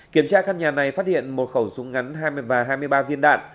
kiểm tra căn nhà này phát hiện một khẩu súng ngắn và hai mươi ba viên đạn